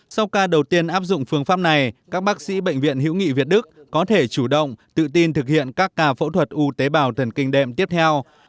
sau ca đầu tiên áp dụng phương pháp này các bác sĩ bệnh viện hiễu nghị việt đức có thể chủ động tự tin thực hiện các ca phẫu thuật u tế bào thần kinh đệm tiếp theo